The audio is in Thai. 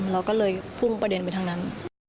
เราก็เลยพุ่งประเด็นไปทางนั้น